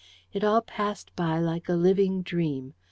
It all passed by like a living dream.